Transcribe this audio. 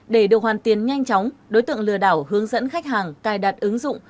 để được hoàn tiền nhanh chóng đối tượng lừa đảo hướng dẫn khách hàng cài đặt ứng dụng